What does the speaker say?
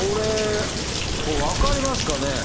これ分かりますかね？